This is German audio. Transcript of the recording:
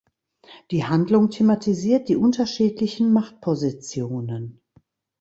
Die Handlung thematisiert die unterschiedlichen Machtpositionen.